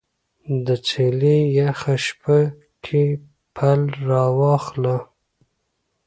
د څیلې یخه شپه کې پل راواخله